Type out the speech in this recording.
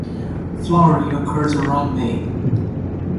Flowering occurs around May.